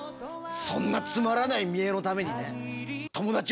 そんなつまらない見えのためにね。